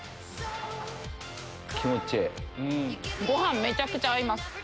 ご飯めちゃくちゃ合います！